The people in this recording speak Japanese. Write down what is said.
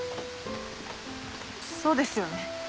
そうですよね。